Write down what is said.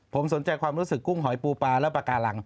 ผมสนใจความรู้สึกกุ้งหอยปูปลาและปากการัง